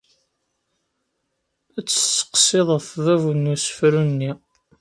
Ad tt-steqsiḍ ɣef bab n usefru-nni.